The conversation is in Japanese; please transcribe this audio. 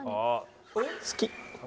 好き。